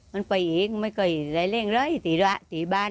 มันไปเองไม่เขายันอะไรเรียงเลยไม่รู้อะไรกัน